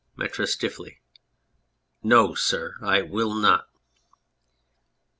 METRIS (stiffly}. No, sir, I will not.